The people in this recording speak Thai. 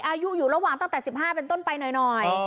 อายุอยู่ระหว่างตั้งแต่๑๕เป็นต้นไปหน่อย